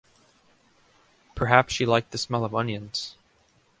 Perhaps she liked the smell of onions!